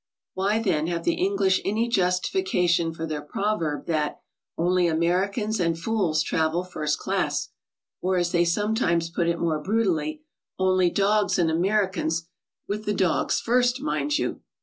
Why, then, have the English any justification for their proverb that ''only Americans and fools travel first class," or, as they sometimes put it more brutally, "only dogs and Americans," with the dogs first, mind you!